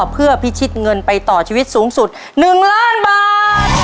เพื่อพิชิตเงินไปต่อชีวิตสูงสุด๑ล้านบาท